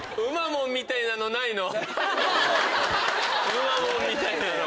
うまモンみたいなの。